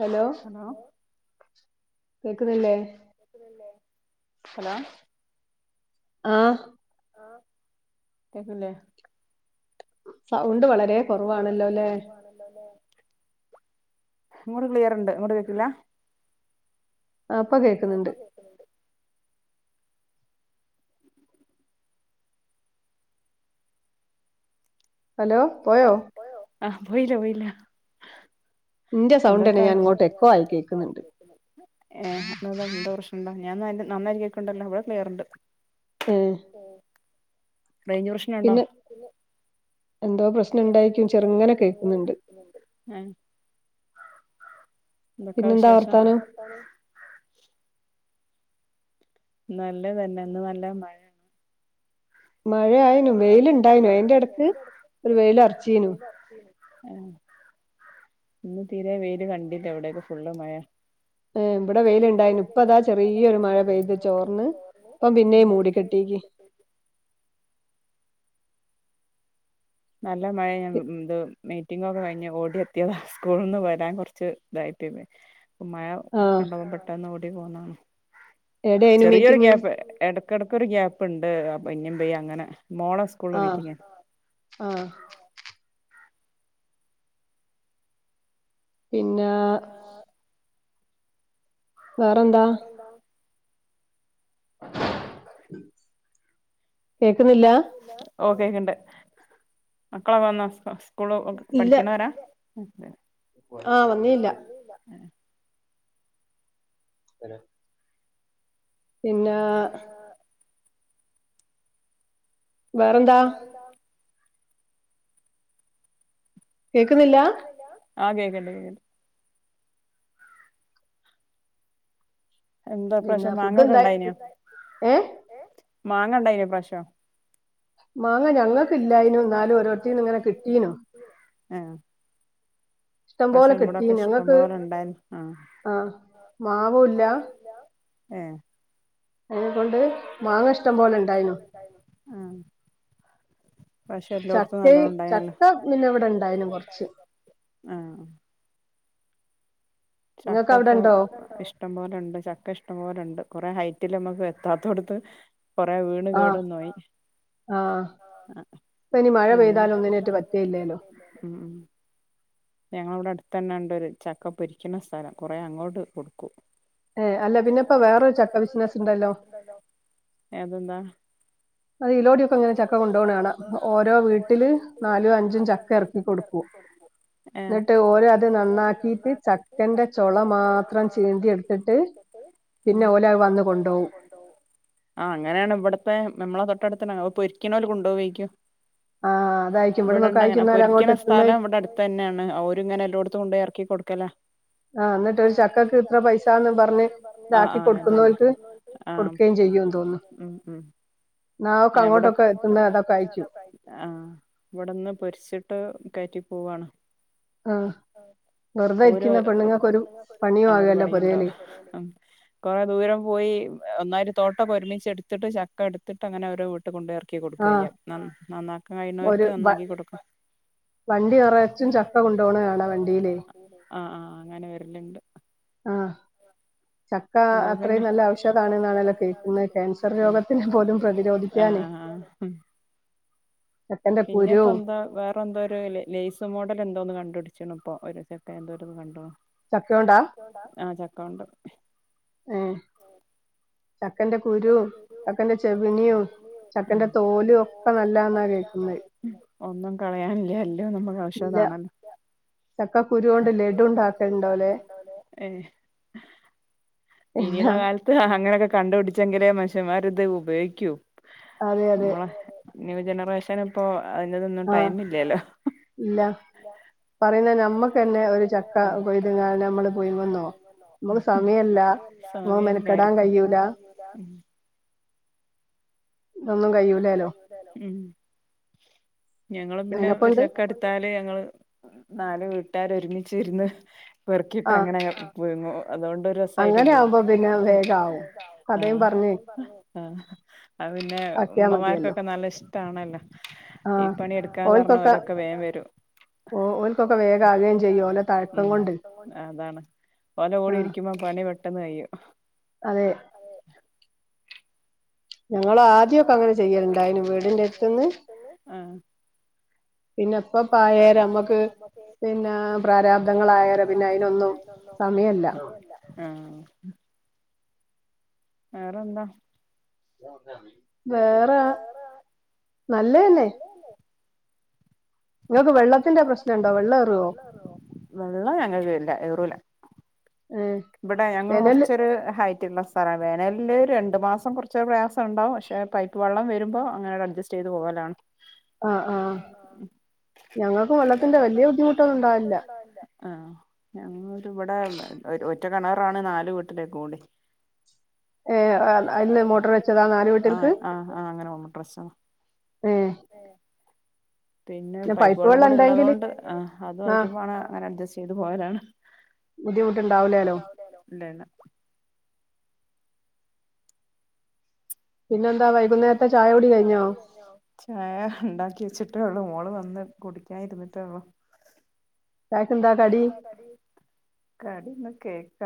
Hello hello കേൾക്കുന്നില്ലേ കേൾക്കുന്നില്ലേ hello ആഹ് ആഹ് കേൾക്കുന്നില്ലേ സൗണ്ട് വളരെ സൗണ്ട് വളരെ കുറവണല്ലോ ഇങ്ങോട്ട് ക്ലിയർണ്ട് ഇങ്ങോട്ട് കേക്കല ആഹ് ഇപ്പൊ കേൾക്കുന്നുണ്ട് [inaudible] ഹലോ പോയോ ആഹ് പോയില്ല പോയില്ല [unintelligible] ഏഹ് അതാ എന്താ പ്രശ്നുണ്ടോ ഞാൻ നന്നായിും കേൾക്കോണ്ടല്ലോ ഇവിടെ ക്ലിയർുണ്ട് റേഞ്ച് പ്രശ്ന ഉണ്ടോ എന്തോ പ്രശ്നം ഉണ്ടായിരിക്കും ചെറുങ്ങനെ കേൾക്കുന്നുണ്ട് ആഹ് എന്തൊക്കെ വിശേഷം നല്ലതന്നെ ഇന്ന് നല്ല മഴ മഴയായിനുവെയിലുണ്ടായിനു അയിന്റെ അടുത്ത് ഒരു വെയിൽ അറച്ചനു ആഹ് ഇന്ന് തീരെ വെയിൽ കണ്ടില്ല ഇവിടെക്കെ ഫുള്ള് മഴ ഓ ഇവിടെ വെയിൽ ഉണ്ടായിരുന്നു ഇപ്പതാ ചെറിയ ഒരു മഴ പെയ്തു തോർന്നു ഇപ്പം പിന്നയും മൂടികെട്ടി നല്ല മഴയാണ് [unintelligible] [unintelligible] കഴിഞ്ഞ് ഓടി എത്തിയതാ സ്കൂളിന്ന് വരാൻ കുറച്ച് ഇതായിപ്പോേ മഴ കണ്ടപ്പം പെട്ടെന്ന് ഓടി പോകുന്നതാണ് ചെറിയൊരു ഗ്യാപ്പ് ഇടക്ക് ഒരു ഗ്യാപ്പ് ഉണ്ട് അപ്പം ഇങ്ങനെ പോയി അങ്ങനെ മോള ആഹ് ആഹ് പിന്നെ വേറെന്താ [inaudible] കേൾക്കുന്നില്ല ഓ കേക്കണ്ട് മക്കളൊക്കെ വന്ന [unintelligible] പഠിക്കണവരാ ആഹ് വന്നില്ല [inaudible] [unintelligible] പിന്നെ വേറെന്താ ന്താ കേൾക്കുന്നില്ല ആഹ്‌ കേക്കേണ്ട് കേക്കേണ്ട് എന്താ പ്രാവിശ്യം മാങ്ങൊക്കെ ഇണ്ടായിനോ മാങ്ങ ഉണ്ടായിന പ്രാവിശ്യം മാങ്ങ ഞങ്ങൾക്ക് ഇല്ലായിനു എന്നാലും ഓരോരുത്തും ഇങ്ങനെ കിട്ടീനു ഉം ഇഷ്ടം പോലെ കിട്ടീ ഞങ്ങൾക്ക് ആഹ് മാവൂല്ല ഏഹ് [unintelligible] കൊണ്ട് മാങ്ങ ഇഷ്ടം പോലെ ഉണ്ടായിരുന്നു ആഹ് ചക്കയും ചക്ക പിന്നെ ഇവിടെ ഇണ്ടായിന് കൊറച്ച് ആഹ് ചക്ക ഇപ്പൊ ഇ ഷ്ടം പോലുണ്ട് ചക്ക ഇഷ്ടം പോലെ ഉണ്ട് കുറേ ഹൈറ്റിൽ നമ്മുക്ക് എത്താത്തോടുത്ത് കൊറേ വീണ് കേട് വന്ന് പോയി ആഹ് ആഹ് പിന്നെ മഴ പെയ്താല് ഒന്നിനൊട്ട് പറ്റുവേയും ഇല്ലല്ലേ ഞങ്ങളിവിടെ അടുത്ത് തന്നെ ഉണ്ടൊരു ചക്ക പൊരിക്കുന്ന സ്ഥലം കുറേ അങ്ങോട്ട് കൊടുക്കും. ഏ അല്ല പിന്നിപ്പൊ വേറൊരു ചക്ക ബിസിനസ് ഉണ്ടല്ലോ. ഏ അതെന്താ അത് ഇതിലെകൂടെയൊക്കെ ഇങ്ങനെ ചക്ക കൊണ്ട് പോകുന്ന കാണാം ഓരോ വീട്ടിലും നാലും അഞ്ചും ചക്ക ഇറക്കി കൊടുക്കും ആ എന്നിട്ട് ഓര് അത് നന്നാക്കിട്ട് ചക്കന്റെ ചള മാത്രം ചീന്തി എടുത്തിട്ട് ആഹ് പിന്നെ ഓരത്‌ വന്ന് കൊണ്ടോവും ആഹ് അങ്ങനെയാണ് ഇവിടുത്തേ നമ്മളെ തൊട്ടടുത്ത് പൊരിക്കണവര് കൊണ്ടുപോവായിരിക്കും. ഇവിടൊണ്ടങ്ങനെ ആ പൊരിക്കണ സ്ഥലം ഇവിടെ അടു തന്നെയാണ് അവര് ഇങ്ങനെ എല്ലായിടത്തും കൊണ്ട് ഇറക്കി കൊടുക്കല ആഹ് എന്നിട്ട് ഒരു ചക്കക്ക് ഇത്ര പൈസാന്ന് പറഞ്ഞ് ഇതാക്കി കൊടുക്കുന്നോൾക്ക് കൊടുക്കുകയും ചെയ്യൂന്ന് തോന്നുന്നു ഞങ്ങക്ക് അങ്ങോട്ടൊക്കെ ഫുള്ളായിട്ട് കായിക്കും ആഹ് ഇവിടെന്ന് പൊരിച്ചിട്ട് കയറ്റി പോവാണ് ഓ ഓരോ വീട്ടിലിരിക്കുന്ന പെണ്ണുങ്ങൾക്ക്‌ ഒരു ഒരു പണിയുണ്ട് കുറേ ദൂരം പോയി ഒന്നായിട്ട് തോട്ടവൊക്കെ ഒരുമിച്ച് എടുത്തിട്ട് ചക്ക എടുത്തിട്ട് അങ്ങനെ ഓരോ വീ ട്ടിൽ കൊണ്ട് ഇറക്കി കൊടുക്കുക ചെയ്യുവാ നന്നാക്കൻ കഴിയുന്നവർക്ക് നന്നാക്കി കൊടുക്കും വണ്ടി നറച്ചും ചക്ക കൊണ്ടുപോണ കാണാം വണ്ടീലേ ആഹ ആഹ് അങ്ങനെ വരലുണ്ട് ആഹ് ചക്ക അത്രയും നല്ല ഔഷധാണെന്നാണല്ലോ കേൾക്കുന്നത് ക്യാൻസർ രോഗത്തിനെ പോലും പ്രതിരോധിക്കാനേ ഉം പിന്നെ ഇപ്പ എന്താ വേറെ ഇപ്പോ എന്തോ ഒരു ലേസ് മോഡൽ എന്തോ ഒന്ന് കണ്ട് പിടിച്ചേക്കണ്‌ ഇപ്പോ [unintelligible] ആഹ് ചക്ക കൊണ്ട് ആഹ് ചക്കേന്റെ കുരുവും ചക്കേന്റെ ചകിണിയും ഉം ചക്കേന്റെ തോലും ഒക്കെ നല്ലതാന്നാ കേക്കുന്നെ ഒന്നും കളയാനില്ല എല്ലാം നമ്മുക്ക് ആവശ്യമുള്ളതാണല്ലോ ചക്കക്കുരു കൊണ്ട് ലഡു ഉണ്ടാക്കൽ ഉണ്ട് ഓല് ഇനിയുള്ള കാല ത്ത് അങ്ങനെയൊക്കെ കണ്ടുപിടിച്ചെങ്കിലേ മനുഷ്യന്മാർ ഇത് ഉപയോഗിക്കൂ നമ്മളെ ന്യൂ ജനറേഷൻ ഇപ്പോ അതിനൊന്നും ടൈം ഇല്ലല്ലോ. ഇല്ല പറയുന്നത് നമ്മുക്ക് തന്നെ ഒരു ചക്ക കൊയ്തങ്ങാന് നമ്മള് പുഴുങ്ങുന്നോ നമുക്ക് സമയമില്ല നമ്മക്ക് മെനക്കെടാൻ കഴിയൂല. ല്ലാ ഒന്നും കഴിയൂലല്ലോ. ഉം ഞങ്ങളും പിന്നെ ഒരു ചക്ക എടു ത്താല് ഞങ്ങള് നാല് വീട്ടുകാര് ഒരുമിച്ചിരുന്ന് പെറുക്കിയിട്ട് അങ്ങനെ പോകുന്നു അതുകൊണ്ട് രസായിട്ട് പോകും ആഹ് ആഹ് അത് പിന്നെ ഉമ്മമാർക്കൊക്കെ നല്ല ഇഷ്ടാണല്ലോ. ഈ പണി എടുക്കാന്ന് പറഞ്ഞാ ഓരൊക്കെ വേഗം വരും. ഉം അതാണ് ഓലുടെ കൂടെ ഇരിക്കുമ്പോ പണി പെട്ടെന്ന് കഴിയും അതെ ഞങ്ങള ആദ്യക്കെ അങ്ങനെ ചെയ്യല്ണ്ടായിനും വീടിന്റെട്ത്തിന്ന് പിന്നപ്പപ്പായ രമ്മക്ക്‌ പി പ്രാരാബ്ധങ്ങളായ [unintelligible] ഒന്നും സമയല്ല അആഹ് വേറെന്താ വേറെ നല്ലന്നെ നിങ്ങൾക്ക് വെള്ളത്തിന്റെ പ്രശ്നണ്ടോ വെള്ളേറോ ഏഹ് ഇവിടെ ഞങ്ങൾ കുറച്ചൊരു ഹൈ സ്ഥലം വേനല്ല് രണ്ടു മാസം കുറച്ച് പ്രയാസം ഉണ്ടാവും പക്ഷേ പൈപ്പ് വെള്ളം വരുമ്പോ അങ്ങനെ അഡ്ജസ്റ്റ ചെയ്തു പോവലാണ് ആഹ് ആഹ് ഞങ്ങൾക്കും വെള്ളത്തിന്റെ വല്ല്യ ബുദ്ധിമുട്ടൊന്നും ഉണ്ടാവിലല്ല ആഹ് ഞങ്ങ ഇവിടെ ഒറ്റ കിണറാണ് നാല് വീട്ടിലേക്ക് കൂടി ആഹ് ആഹ് ആഹ് അങ്ങനെ വ ഡ്രസ ഏഹ് ഏഹ് പിന്നെ പൈപ്പ് വെള്ളം കൂടി ഉള്ളതുകൊണ്ട് അതും മതിയ് അങ്ങനെ അഡ്ജസ്റ്റ് ചെയ്ത് പോവലാണ് ബുദ്ധിമുണ്ടാവില്ലാലേ ഇല്ലല്ല പിന്നെന്താ വൈകുന്നേരത്തെ ചായ കുടി കഴിഞ്ഞോ ചായ ഉണ്ടാക്കി വെച്ചിട്ടേ ഉള്ളൂ മോള് വന്ന് കുടിക്കൻ ഇരുന്നിട്ടേ ഉള്ളു ചായക്കെൻതാ കടീന്ന് കേക്ക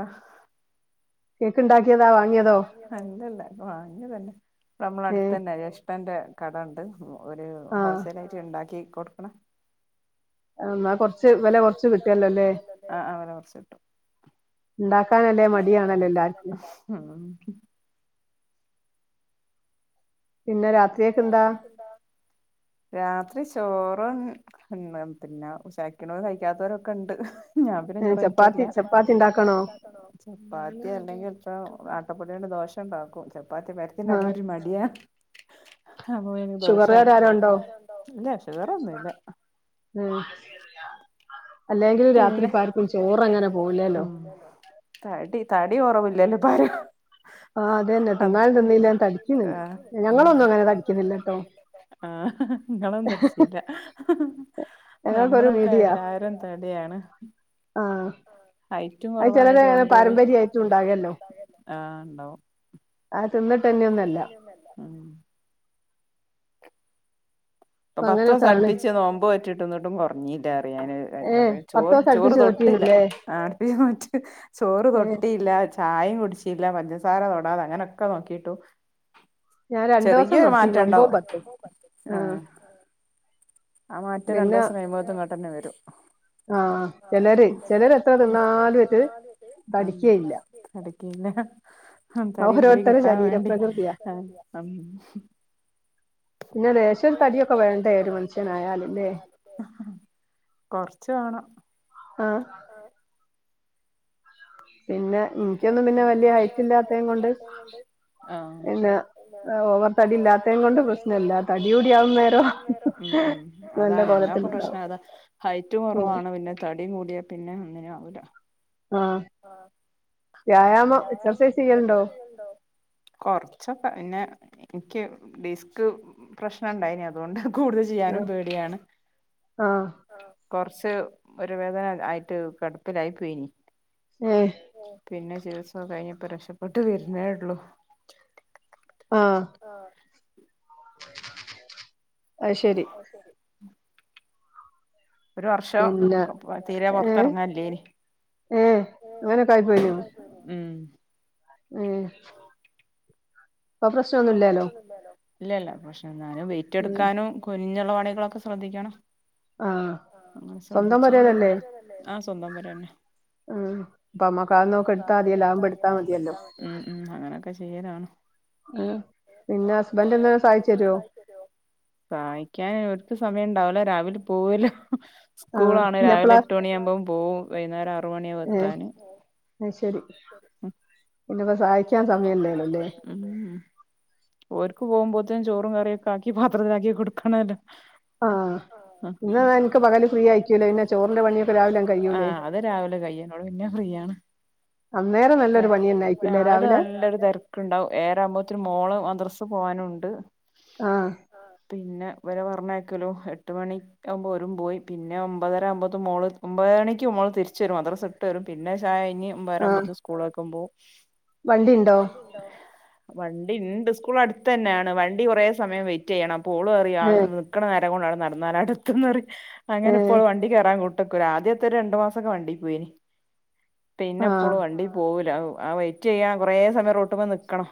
അല്ലല്ല വാങ്ങിയതന്നെ നമ്മള അടുത്തന്നെ ട്ടൻ്റെ കടണ്ട് ഒരു ഹോൾസെൽ ആയിട്ട് ഉണ്ടാക്കി കൊടുക്കണ വെല കൊറച്ച് കിട്ടിയെ കുറച്ച് കിട്ടും ഉണ്ടാക്കാനല്ലേ മടിയാണല്ലോ എല്ലാർക്കും ഉം പിന്നെ രാത്രിയൊക്കെ എന്താ രാത്രി ചോറ് പിന്നെ ഉശാക്കണ കഴിക്കാത്തവരൊക്കെ ഉണ്ട് ഞൻ പിന്നെ ചോറ് കഴിക്കാനില്ല ചപ്പാത്തി അല്ലെങ്കിൽ ഇപ്പം ആട്ടപ്പൊടിയണ്ട് ദോശണ്ടാക്കും ചപ്പാത്തി പരത്തിന്റെക്കെ ഒരു മടിയാ അപ്പൊ പിന്നെ ദോശാക്കും ഇല്ല ഷുഗറോന്നൂല്ല ഉം അല്ലെങ്കിലും രാത്രി ആർക്കും ചോറ്ങ്ങനെ പോവുല്ലല്ലോ [inaudible] തടി തടി കുറവില്ലല്ലേ ഇപ്പാരാ ആഹ് അതന്നെ തിന്നാലും തിന്നില്ലങ്കിലും തടിക്കുന്നുണ്ട് ഞങ്ങളൊന്നും അങ്ങനെ തടിക്കുന്നില്ലട്ടോ ആഹ് നിങ്ങളന്ന തടിച്ചില്ല ഞമ്മളൊക്കെ എല്ലാരും ത ടിയാണ് ആഹ് ഹൈറ്റും കുറവായത്കൊണ്ട് ആഹ് ഉണ്ടാവും അതുംട്ട് ഉം ഇപ്പൊ പത്തോസം അടുപ്പിച്ച് നോമ്പ് പറ്റിട്ട്ന്നിട്ടും കുറഞ്ഞില്ല അറിയാന് പറ ചോറ് ചോറ് തൊട്ടില്ല നടത്ത ചോറ് തൊട്ടിയില്ല ചായ കുടിച്ചില്ല പഞ്ചസാര തൊടാതെ അങ്ങനെക്കെ നോക്കിട്ടും ചെറിയൊരു മാറ്റംണ്ടാവും ആഹ് ആഹ് മാറ്റ് രണ്ട് ദിവസം കഴിയുമ്പോഴത്തും ഇങ്ങോട്ടന്നെ വരും ആഹ് ചിലര് ചിലര് എത്ര തിന്നാലുംറ്റ് തഠിക്കേയില്ല അടക്കീന്ന ഹം തടി കുടി കിട്ടാൻ വേണ്ടി [unintelligible] പിന്നെ ലേശം തടിയൊക്കെ വേണ്ടേ ഒരു മനുഷ്യനായാല്ല്ലേ കൊറച്ച് വാണം ആഹ് ആഹ് പിന്നെ ഇൻക്കൊന്നും പിന്നെ വല്യ ഹൈറ്റ് ഇല്ലാതേൻ കൊണ്ട് ഇന്നെ ഓവർ തടി ഇല്ലാത്തെ കൊണ്ട് പ്രശ്നം ഇല്ല തടിയൂടിയാവുന്നേരം അതാ ഞങ്ങാ പ്രശ്നം അതാ ഹൈറ്റ് കുറവാണ് പിന്നെ തടിയും കൂടിയാ പിന്നെ ഒന്നിനും ആവൂല ആഹ് ആഹ് വ്യായാമം എക്സസൈസ് ചെയ്യലുണ്ടോ കൊറച്ചൊക്കെ പിന്നെ ഇന്ക്ക് ഡിസ്ക് പ്രശ്നം ഉണ്ടായിനി അ അതുകൊണ്ടാ കൂടുതൽ ചെയ്യാനും പേടിയാണ് കൊറച്ച് ഊര വേദന ആയിട്ട് കടപ്പിലായി പോയിനി പിന്നെ ചികിത്സ കഴിഞ്ഞപ്പോ രക്ഷപ്പെട്ട് വരുന്നേള്ളു ആഹ് ആഹ് അഹ് ശെരി ശെരി ഒരു വർഷം തീരെ പൊറത്ത് ഇറങ്ങൽ ഇല്ലെനി ഉം ഉം ഇല്ല ഇല്ല പശെ എന്നാലും വെയിറ്റ് എടുക്കാനും കുനിഞ്ഞുള്ള പണികളൊക്കെ ശ്രദ്ധിക്കണം ആഹ് സ്വന്തം പോരന്നെ അല്ലെ ആഹ് സ്വന്തം പോരന്നെ ഉഠ. പ്പ അമ്മക്ക് ആട്ന്നൊക്കെ എടുത്താതില്ലോ. ആവുംമ്പം എടുത്താ മതിയല്ലോ. ഉം ഉം അങ്ങനെയൊക്കെ ചെയ്യലാണ് ആഹ് പിന്നെ ഹസ്ബൻഡ് എന്തേലും സഹായിച്ചരോ സഹായിക്കാന് ഓര്ക്ക് സമയം ഇണ്ടാവുല്ല രാവിലെ പോവലോ സ്കൂളാണ് രാവിലെ എട്ട് മണിയാകുമ്പോ പോവും വൈകുന്നേരം ആറു മണിയാവും എത്താന് അഹ് ശെരി പിന്നപ്പോ സഹായിക്കാൻ സമയം ഇല്ലെല്ലോല്ലേ ഓര്ക്ക് പോവുമ്പോത്തിന് ചോറും കറിയൊക്കെ ആക്കി പാത്രത്തിലാക്കി കൊടുക്കണല്ലോ ആഹ് അത് രാവിലെ കയും മ്മൾ പിന്നെ ഫ്രീ ആണ് അന്നേരം നല്ലൊരു പണിയെന്നെയായി രാവിലെ നല്ലൊരു തിരക്കുണ്ടാവും ഏഴര ആവുമ്പോത്തിന് മോൾ മദ്രസ് പോവാനുണ്ട് ആഹ് ആഹ് പിന്നെ ഇവരെ പറഞ്ഞയ്ക്കല്ലും എട്ട് മണി ആഉമ്പോ ഓരും പോയി പിന്നെ ഒമ്പതര ആവുമ്പോതും മോള് ഒമ്പത് മണിക്ക് മോള് തിരിച്ചു വരും മദ്രസിട്ട് വരും പിന്നെ ചായ കയ്ഞ് ഒമ്പരാവുമ്പോത്തിന് സ്കൂളേക്കും പോവും വണ്ടി ഇണ്ട് സ്കൂൾ അടുത്ത് തന്നെണ് വണ്ടി കൊറേ സമയം വെയിറ്റ്യ്യണം അപ്പോ ഓൾ പറ റിയാ നിക്കണ നേരം കൊണ്ട് അങ്ങട്ട് നടന്നാൽ ആണ്ട് എത്തും ന്നറയും അങ്ങനെ ഇപ്പോ ഓൾ വണ്ടി കയറാൻ കു ട്ടക്കൂല ആദ്യത്തെ രണ്ടു മാസൊക്കെ വണ്ടി പോയിനി പിന്നെപ്പോള് വണ്ടി പോഅ ല്ലാ ഉ ആഹ് വെയിറ്റ്യ്യാൻ കൊറേ സമയം റോട്മ്മേ നിക്കണം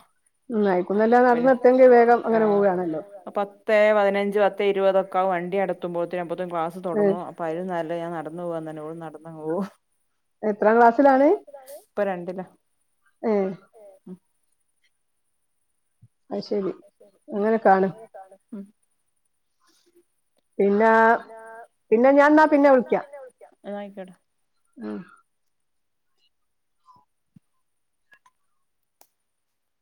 ഉംന്നയിക്കും നല്ലേ നടന്ന് എത്തെങ്കി വേഗം അങ്ങനെ പോവാണല്ലോ പത്തേ പതിനഞ്ച് പത്ത് ഇരുപതൊകെയാവും വണ്ടിഅങ്ങട്ട് എത്തുമ്പോത്തിന് അപ്പോത്തിന് ക്ലാസ് തുടങ്ങും അപ് അയിലും നല്ലെ ഞാൻ നടന്നു പോവാന്ന്റഞ് ഓള് നടന്നങ്ങ് പോവും പ്പ രണ്ട്ല്ല ഏഹ് ഉം അഹ് ശെരി അങ്ങനൊക്കെ ആണ് താണ് ഉം ഉം പിന്നാ പിന്നെ ഞാൻ ന്നാ പിന്നെ വിൾക്കാ ആഹ് ആയ്ക്കോട്ടേ ആഹ്